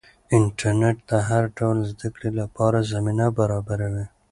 انټرنیټ د هر ډول زده کړې لپاره زمینه برابروي.